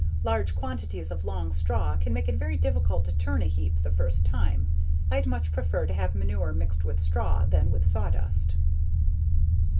Large quantities of long straw can make it very difficult to turn a heap the first time. I'd much prefer to have manure mixed with straw than with sawdust.